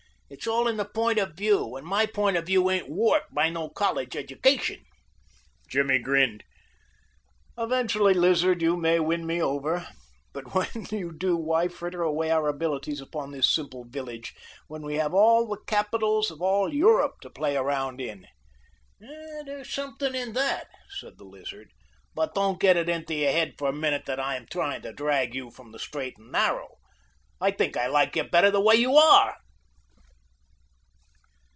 "It's all in the point of view, and my point of view ain't warped by no college education." Jimmy grinned. "Eventually, Lizard, you may win me over; but when you do why fritter away our abilities upon this simple village when we have the capitals of all Europe to play around in?" "There's something in that," said the Lizard; "but don't get it into your head for a minute that I am tryin' to drag you from the straight and narrow. I think I like you better the way you are."